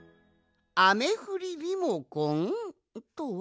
あめふりリモコンとは？